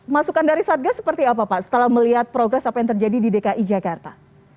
masukan dari satgas seperti apa pak setelah melihat progres apa yang terjadi di dki jakarta